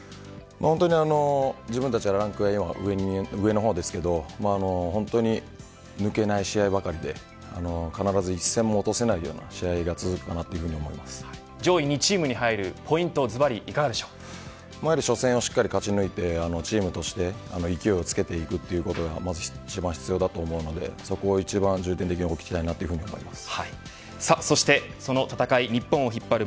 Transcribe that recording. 本当にランクＡが上の方ですけども抜けない試合ばかりで必ず１戦も落とせないような上位２チームに入るポイントはやはり初戦をしっかり勝ち抜いてチームとして勢いをつけていくということがまず一番必要だと思うのでそこを一番重点的に動きたいと思います。